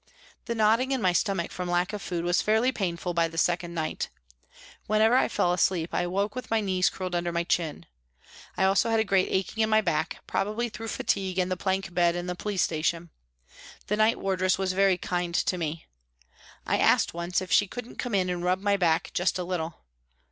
The knotting in my stomach from lack of food was fairly painful by the second night. Whenever I fell asleep I woke with my knees curled under my chin. I had also a great aching in my back, prob ably through fatigue and the plank bed in the police station. The night wardress was very kind to me. I asked once if she couldn't come in and rub my back just a little.